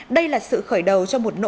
đây là sự khởi đầu cho một nỗ lực